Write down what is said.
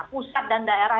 pusat dan daerah